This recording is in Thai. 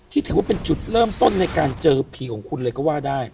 ถือว่าเป็นจุดเริ่มต้นในการเจอผีของคุณเลยก็ว่าได้